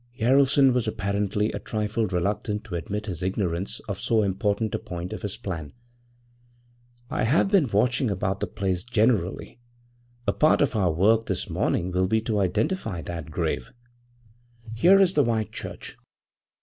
Jaralson was apparently a trifle reluctant to admit his ignorance of so important a point of his plan. 'I have been watching about the place generally. A part of our work this morning will be to identify that grave. Here is the White Church.'